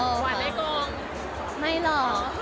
หวานไม่กล้อง